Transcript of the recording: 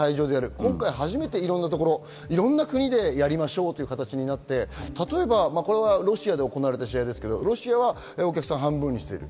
今回が初めていろんなところ、いろんな国でやりましょうという形なって、例えばこれはロシアで行われた試合ですが、ロシアは半分にお客さんをする。